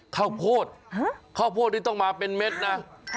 ข้าวโพดข้าวโพดนี่ต้องมาเป็นเม็ดนะ